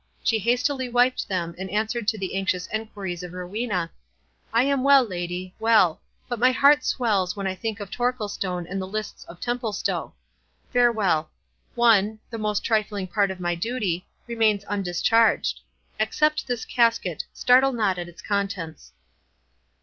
She hastily wiped them, and answered to the anxious enquiries of Rowena—"I am well, lady—well. But my heart swells when I think of Torquilstone and the lists of Templestowe.—Farewell. One, the most trifling part of my duty, remains undischarged. Accept this casket—startle not at its contents."